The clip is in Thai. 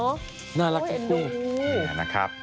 อ้วยเห็นดูน่ารักอันนี้นะครับ